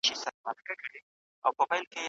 له نن څخه ګټه واخلئ.